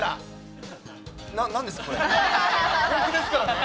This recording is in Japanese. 本気ですからね！